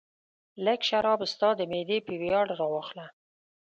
لږ شراب ستا د معدې په ویاړ راواخله.